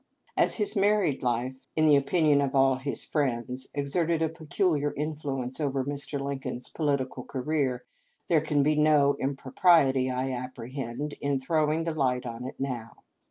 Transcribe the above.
As his married life, in the opinion of all his friends, exerted a pecul iar influence over Mr. Lincoln's political career there can be no impropriety, I apprehend, in throw ing the light on it now.